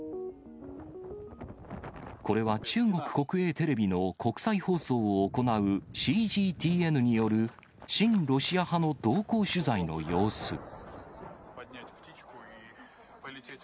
これは中国国営テレビの国際放送を行うＣＧＴＮによる親ロシア派の同行取材の様子。